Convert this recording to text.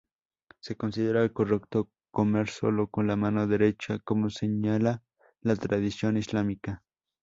Se considera correcto comer solo con la mano derecha, como señala la tradición islámica.